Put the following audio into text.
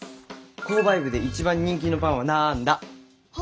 購買部で一番人気のパンはなんだ？は？